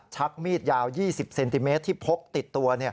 ชักมีดยาว๒๐เซนติเมตรที่พกติดตัว